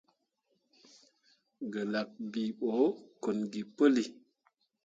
Gǝlak bii ɓo kon gi puli.